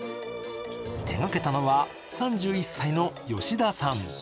手がけたのは３１歳の吉田さん。